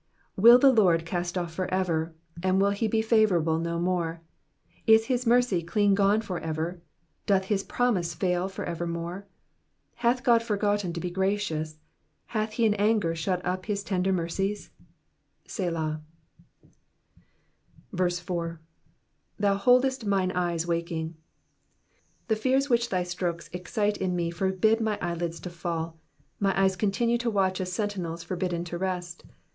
7 Will the Lord cast off for ever? and will he be favourable no more ? 8 Is his mercy clean gone for ever ? doth /its promise fail for evermore ? 9 Hath God forgotten to be gracious ? hath he in anger shut up his tender mercies ? Selah. 4. ^^Thou holdeft mine eyes uaJcing,^'* The fears which thy strokes excite in me forbid my eyelids to fall, my eyes continue to watch as sentinels forbidden to rest.